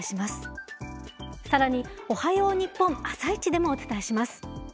更に「おはよう日本」「あさイチ」でもお伝えします。